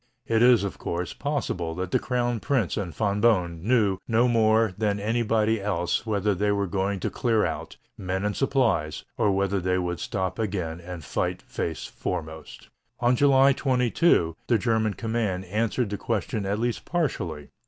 It is, of course, possible that the crown prince and Von Boehm knew no more than anybody else whether they were going to clear out, men and supplies, or whether they would stop again and fight face foremost. On July 22 the German command answered the question at least partially.